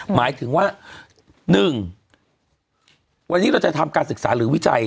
หมายถึงว่า๑วันนี้เราจะทำการศึกษาหรือวิจัย